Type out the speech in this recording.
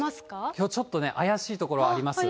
きょうちょっとね、怪しい所あります。